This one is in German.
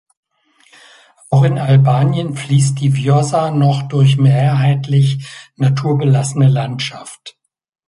Auch in Albanien fließt die Vjosa noch durch mehrheitlich naturbelassene Landschaft.